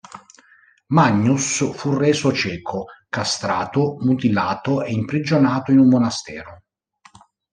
Magnus fu reso cieco, castrato, mutilato e imprigionato in un monastero.